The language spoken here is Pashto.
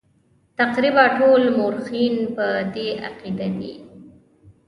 تقریبا ټول مورخین په دې عقیده دي.